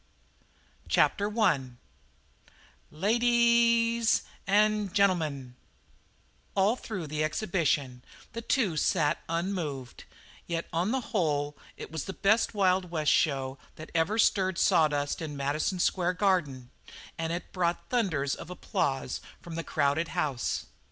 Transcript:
CHAPTER I "LA A A DIES AN' GEN'L'MUN" All through the exhibition the two sat unmoved; yet on the whole it was the best Wild West show that ever stirred sawdust in Madison Square Garden and it brought thunders of applause from the crowded house.